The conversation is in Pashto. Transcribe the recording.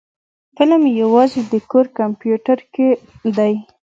فلم يوازې د کور کمپيوټر کې دی.